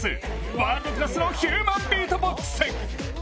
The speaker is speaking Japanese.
ワールドクラスのヒューマンビートボックス。